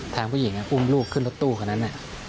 ทางผู้หญิงอุ้มลูกขึ้นรถตู้คนนั้น